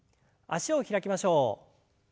脚を開きましょう。